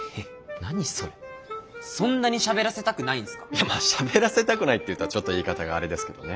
いやしゃべらせたくないって言ったらちょっと言い方があれですけどね。